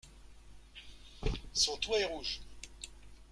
Son toit est rouge.